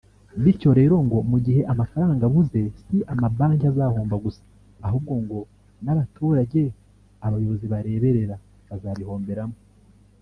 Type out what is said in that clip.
bityo rero ngo mu gihe amafaranga abuze si amabanki azahomba gusa ahubwo ngo n’abaturage abayobozi bareberera bazabihomberamo